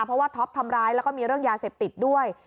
เพราะว่าท็อปทำร้ายแล้วก็มีเรื่องยาเสพติดด้วย